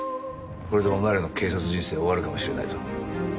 これでお前らの警察人生終わるかもしれないぞ。